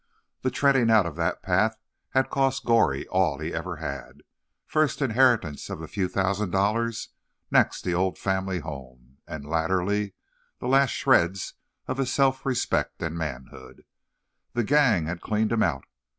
The treading out of that path had cost Goree all he ever had—first inheritance of a few thousand dollars, next the old family home, and, latterly the last shreds of his self respect and manhood. The "gang" had cleaned him out.